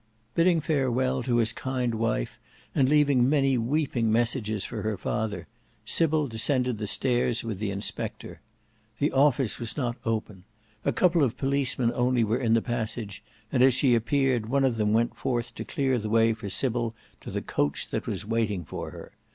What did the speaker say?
Bidding farewell to his kind wife, and leaving many weeping messages for her father, Sybil descended the stairs with the inspector. The office was not opened: a couple of policemen only were in the passage, and as she appeared one of them went forth to clear the way for Sybil to the coach that was waiting for her.